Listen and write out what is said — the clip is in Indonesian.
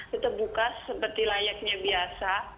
kita buka seperti layaknya biasa